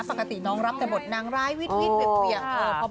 ปกติน้องรับแต่บทนางร้ายวิทย์เหวี่ยง